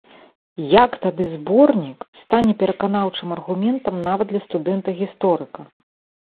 Як тады зборнік стане пераканаўчым аргументам нават для студэнта-гісторыка?